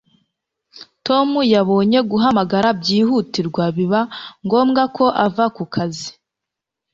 tom yabonye guhamagara byihutirwa biba ngombwa ko ava ku kazi